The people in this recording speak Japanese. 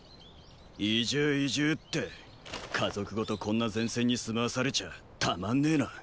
移住移住って家族ごとこんな前線に住まわされちゃたまんねェな。